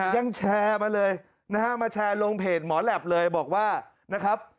ยังแชร์มาเลยนะฮะมาแชร์ลงเพจหมอแหลปเลยบอกว่านะครับ